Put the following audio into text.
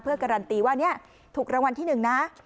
เพื่อการันตีว่าถูกรางวัลที่๑นะ